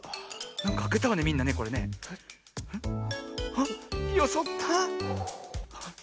あっよそった。